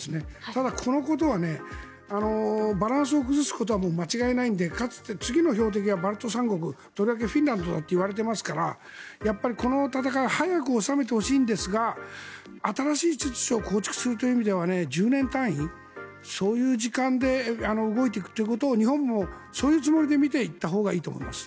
ただ、このことはバランスを崩すことは間違いないのでかつ、次の標的はバルト三国とりわけフィンランドだといわれていますからやっぱりこの戦いを早く収めてほしいんですが新しい秩序を構築するという意味では１０年単位、そういう時間で動いていくということを日本もそういうつもりで見ていったほうがいいと思います。